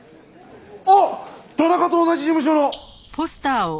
あっ田中と同じ事務所の！